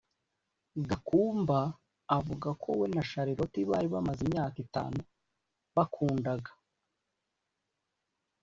Gakumba avuga ko we na Charlotte bari bamaze imyaka itanu bakundaga